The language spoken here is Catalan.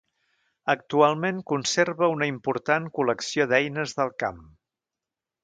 Actualment conserva una important col·lecció d'eines del camp.